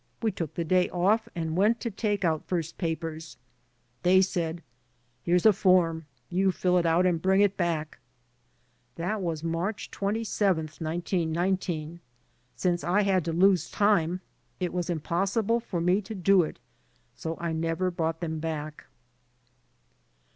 We took the day off and went to take out first papers. They said, 'Here's a form; you fill it out and bring it back.' That was on March 27, 1919. Since I had to lose time, it was impossible for me to do it, so I never brought them back."